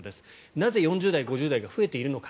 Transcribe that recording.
なぜ、４０代、５０代が増えているのか。